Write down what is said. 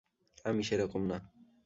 আমি সেরকম না।